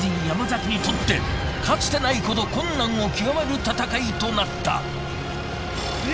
山崎にとってかつてないほど困難を極める闘いとなった。